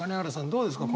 どうですか